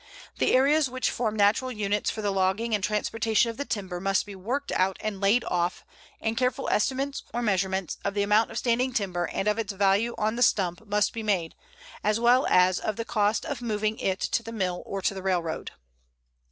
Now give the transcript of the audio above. The areas which form natural units for the logging and transportation of the timber must be worked out and laid off, and careful estimates, or measurements, of the amount of standing timber and of its value on the stump must be made, as well as of the cost of moving it to the mill or to the railroad.